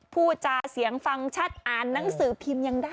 พูดจาเสียงฟังชัดอ่านหนังสือพิมพ์ยังได้